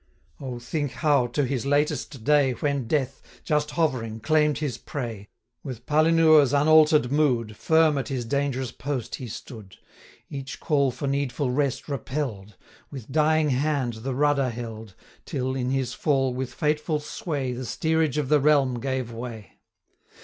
Oh, think, how to his latest day, When Death, just hovering, claim'd his prey, 110 With Palinure's unalter'd mood, Firm at his dangerous post he stood; Each call for needful rest repell'd, With dying hand the rudder held, Till, in his fall, with fateful sway, 115 The steerage of the realm gave way!